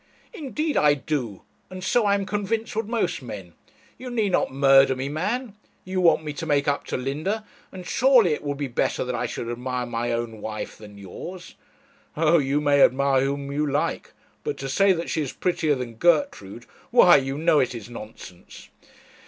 'Indeed I do; and so, I am convinced, would most men. You need not murder me, man. You want me to make up to Linda, and surely it will be better that I should admire my own wife than yours.' 'Oh! you may admire whom you like; but to say that she is prettier than Gertrude why, you know, it is nonsense.'